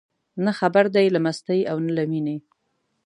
نه خبر دي له مستۍ او نه له مینې